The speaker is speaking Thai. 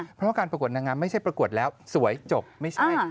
เพราะว่าการประกวดนางงามไม่ใช่ประกวดแล้วสวยจบไม่ใช่